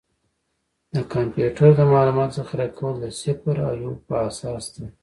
د کمپیوټر د معلوماتو ذخیره کول د صفر او یو په اساس ده.